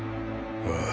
ああ。